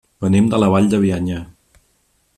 Venim de la Vall de Bianya.